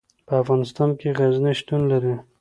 په افغانستان کې غزني شتون لري.